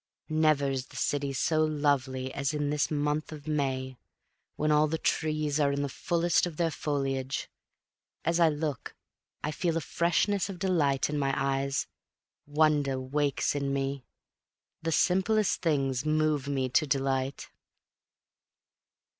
Never is the city so lovely as in this month of May, when all the trees are in the fullness of their foliage. As I look, I feel a freshness of vision in my eyes. Wonder wakes in me. The simplest things move me to delight.